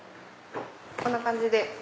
こんな感じで。